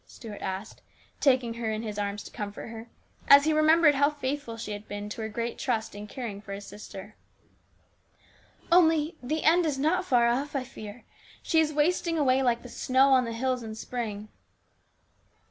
Stuart asked, taking her in 294 HIS BROTHER'S KEEPER. his arms to comfort her, as he remembered how faithful she had been to her great trust in caring for his sister. " Only the end is not far off, I fear. She is wasting away like the snow on the hills in spring."